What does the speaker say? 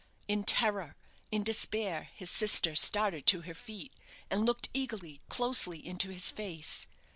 In terror, in despair, his sister started to her feet, and looked eagerly, closely, into his face.